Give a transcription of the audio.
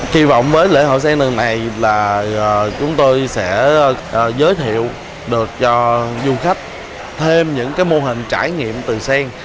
kỳ vọng với lễ hội sen này là chúng tôi sẽ giới thiệu được cho du khách thêm những cái mô hình trải nghiệm từ sen